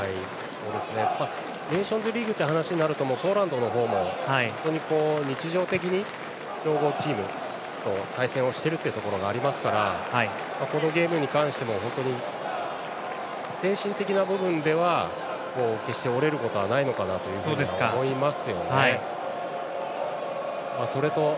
ネーションズリーグの話になるとポーランドの方も日常的に強豪チームと対戦していることがありますからこのゲームに関しても本当に精神的な部分では決して折れることはないかなと思います。